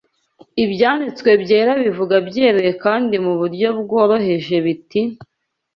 Ibyanditswe Byera bivuga byeruye kandi mu buryo bworoheje biti